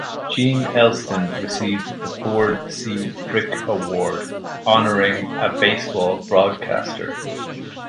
Gene Elston received the Ford C. Frick Award honoring a baseball broadcaster.